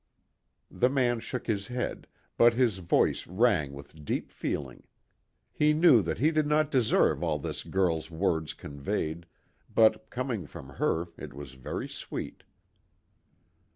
The man shook his head, but his voice rang with deep feeling. He knew that he did not deserve all this girl's words conveyed, but, coming from her, it was very sweet.